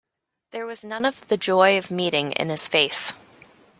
There was none of the joy of meeting in his face.